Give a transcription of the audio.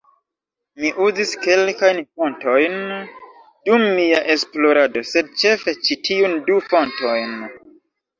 Mi uzis kelkajn fontojn dum mia esplorado, sed ĉefe ĉi tiun du fontojn: